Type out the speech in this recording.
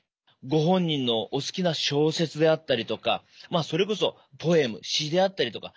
ご本人のお好きな小説であったりとかそれこそポエム詩であったりとか何でもいいんです。